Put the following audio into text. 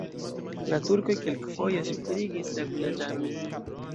La turkoj kelkfoje suferigis la vilaĝanojn.